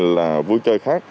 là vui chơi khác